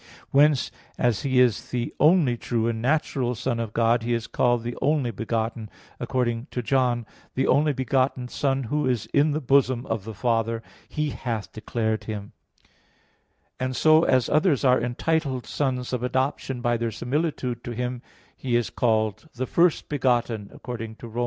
Whence, as He is the only true and natural Son of God, He is called the "only begotten," according to John 1:18, "The only begotten Son, Who is in the bosom of the Father, He hath declared Him"; and so as others are entitled sons of adoption by their similitude to Him, He is called the "first begotten," according to Rom.